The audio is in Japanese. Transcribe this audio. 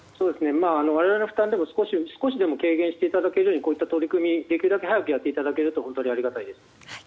我々の負担を少しでも軽減していただけるようにこういった取り組みをできるだけ早くやっていただけるとありがたいです。